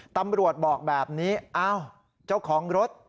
ตำรวจบอกแบบนี้อ้าวเจ้าของรถ